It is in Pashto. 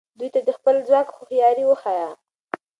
دوی ته د خپل ځواک هوښیاري وښایه.